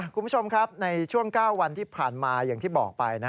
คุณผู้ชมครับในช่วง๙วันที่ผ่านมาอย่างที่บอกไป